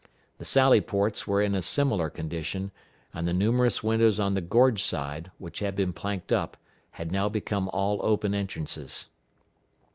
The sally ports were in a similar condition, and the numerous windows on the gorge side, which had been planked up, had now become all open entrances.